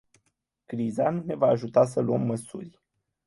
Criza nu ne va ajuta să luăm măsuri.